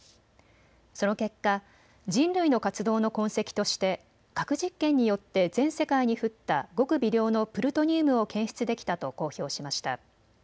その結果、人類の活動の痕跡として核実験によって全世界に降ったごく微量のプルトニウムを検出できたと公表しました。